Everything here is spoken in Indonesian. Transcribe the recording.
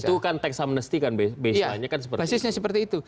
itu kan tax amnesty kan basisnya seperti itu